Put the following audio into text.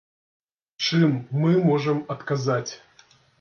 Чым мы можам адказаць?